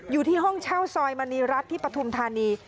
อยู่ที่ห้องเช่าซอยมณีรัฐที่ปฐุมธานี